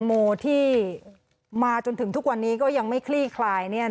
โมที่มาจนถึงทุกวันนี้ก็ยังไม่คลี่คลาย